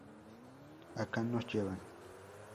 Acá nos llevan.